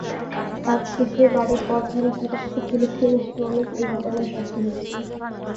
কাজ শেষে বাড়ির পথ ধরা শত শত ফিলিস্তিনি শ্রমিক এই ঘটনার সাক্ষী হয়েছিল।